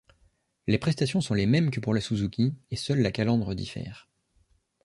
Les prestations sont les mêmes que pour la Suzuki et seule la calandre diffère.